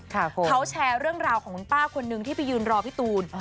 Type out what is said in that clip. เขาแชร์เรื่องราวของคุณป้าคนนึงที่ไปยืนรอพี่ตูน